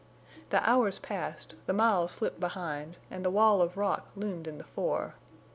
The hours passed, the miles slipped behind, and the wall of rock loomed in the fore.